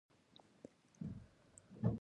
کله چې بیا د ده خبره خلاصه شول.